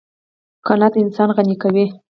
قناعت انسان غني کوي.